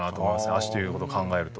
足という事を考えると。